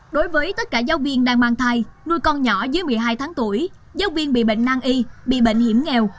đối với tất cả giáo viên đang mang thai nuôi con nhỏ dưới một mươi hai tháng tuổi giáo viên bị bệnh nang y bị bệnh hiểm nghèo